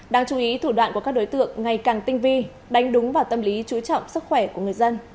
đáng chú ý thủ đoạn của các đối tượng ngày càng tinh vi đánh đúng vào tâm lý chú trọng sức khỏe của người dân